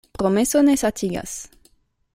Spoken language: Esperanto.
Promeso ne satigas.